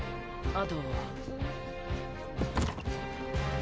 あと。